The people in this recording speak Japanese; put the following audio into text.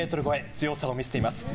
強さを見せています。